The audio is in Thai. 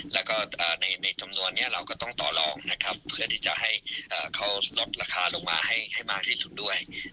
แล้วก็ในจำนวนนี้เราก็ต้องต่อลองนะครับเพื่อที่จะให้เขาลดราคาลงมาให้มากที่สุดด้วย